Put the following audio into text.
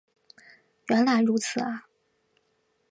原来如此啊